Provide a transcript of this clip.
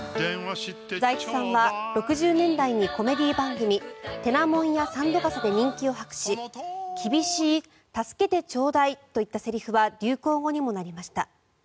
財津さんは６０年代にコメディー番組「てなもんや三度笠」で人気を博し「キビシーッ！」「助けてチョーダイ！」といったセリフは流行語にもなりました。